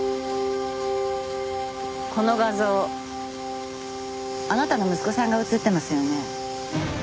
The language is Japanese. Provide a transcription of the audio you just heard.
この画像あなたの息子さんが写ってますよね？